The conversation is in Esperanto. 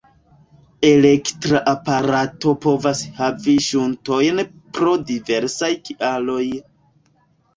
Elektra aparato povas havi ŝuntojn pro diversaj kialoj.